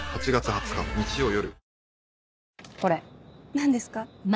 何ですか？